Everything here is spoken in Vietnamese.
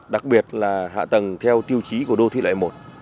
đặc biệt là hạ tầng theo tiêu chí của đô thị loại một